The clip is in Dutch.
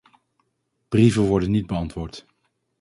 Brieven worden niet beantwoord.